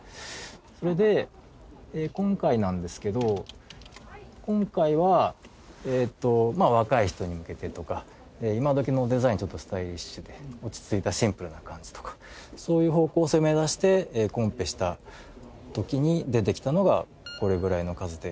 それで今回なんですけど今回はまあ若い人に向けてとか今どきのデザインちょっとスタイリッシュで落ち着いたシンプルな感じとかそういう方向性を目指してコンペした時に出てきたのがこれぐらいの数で。